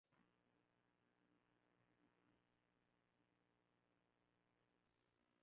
zao zenye nene za rangi nyekundu ambazo